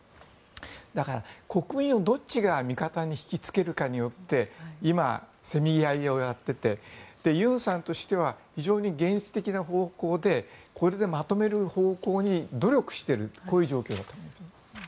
だから国民をどっちが味方に引きつけるかによって今、せめぎ合いをやっていて尹さんとしては非常に現実的な方向でこれでまとめる方向に努力しているこういう状況だと思います。